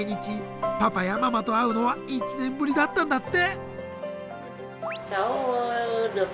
パパやママと会うのは１年ぶりだったんだって。